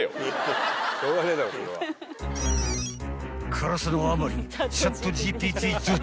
［辛さのあまり］